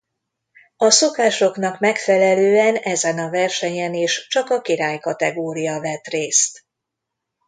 A szokásoknak megfelelően ezen a versenyen is csak a királykategória vett részt.